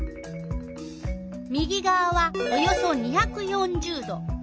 右がわはおよそ２４０℃。